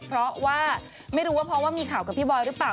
เพราะว่าไม่รู้ว่าเพราะว่ามีข่าวกับพี่บอยหรือเปล่า